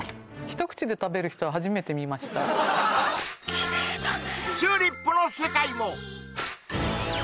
キレイだね